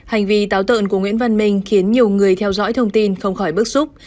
hành vi táo tợn của nguyễn văn minh khiến nhiều người theo dõi thông tin không khỏi bức xúc